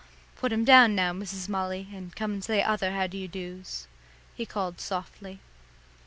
"Put him down now, Mrs. Molly, and come and say other how do you does," he called softly.